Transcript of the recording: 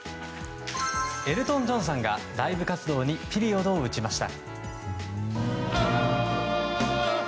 エルトン・ジョンさんがライブ活動にピリオドを打ちました。